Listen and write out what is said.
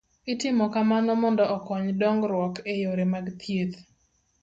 Itimo kamano mondo okony dongruok e yore mag thieth